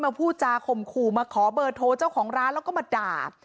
พูดจาข่มขู่มาขอเบอร์โทรเจ้าของร้านแล้วก็มาด่า